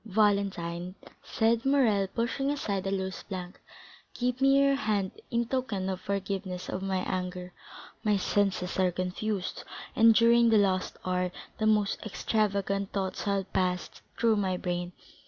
"Valentine," said Morrel pushing aside a loose plank, "give me your hand in token of forgiveness of my anger; my senses are confused, and during the last hour the most extravagant thoughts have passed through my brain.